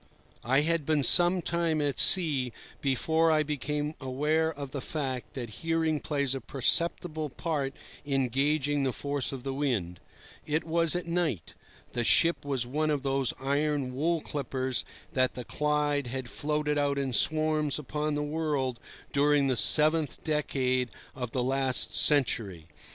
I had been some time at sea before I became aware of the fact that hearing plays a perceptible part in gauging the force of the wind. It was at night. The ship was one of those iron wool clippers that the Clyde had floated out in swarms upon the world during the seventh decade of the last century.